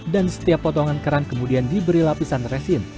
dan setiap potongan kerang kemudian diberi lapisan resin